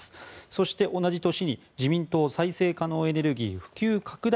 そして同じ年に自民党再生可能エネルギー普及拡大